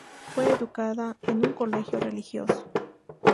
Fue educada en un colegio religioso.